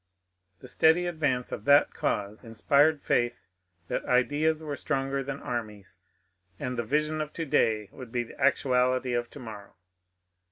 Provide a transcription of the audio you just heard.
The steady advauce of that cause inspired faith that ideas were stronger than armies, and the vision of to day would be the actuality of to morrow.